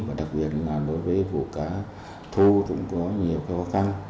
và đặc biệt là đối với vụ cá thu cũng có nhiều khó khăn